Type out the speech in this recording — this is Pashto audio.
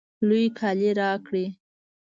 لوی کالی راکړئ